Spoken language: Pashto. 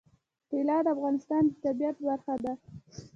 طلا د افغانستان د طبیعت برخه ده.